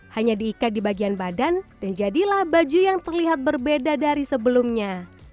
hanya diikat di bagian badan dan jadilah baju yang terlihat berbeda dari sebelumnya